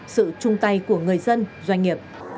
sự chung tay của người dân doanh nghiệp